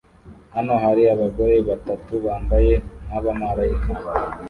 Hano hari abagore batatu bambaye nkabamarayika